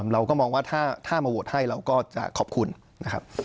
เราก็มองว่าถ้ามาโหวตให้เราก็จะขอบคุณนะครับ